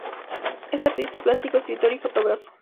Es artista plástico, escritor y fotógrafo.